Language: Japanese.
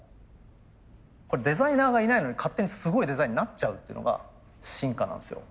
これデザイナーがいないのに勝手にすごいデザインになっちゃうっていうのが進化なんですよ。